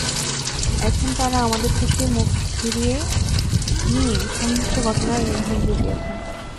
এখন তাঁরা আমাদের কাছ থেকে মুখ ফিরিয়ে নিয়ে সহিংস ঘটনার ইন্ধন জুগিয়েছেন।